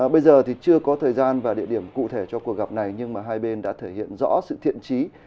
bây giờ thì chưa có thời gian và địa điểm cụ thể cho cuộc gặp này nhưng mà hai bên đã thể hiện rõ sự thiện trí